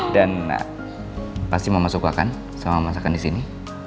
dan pasti mama suka kan sama masakan di sini